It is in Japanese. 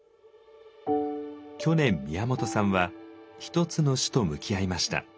去年宮本さんは一つの死と向き合いました。